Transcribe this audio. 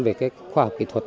về cái khoa học kỹ thuật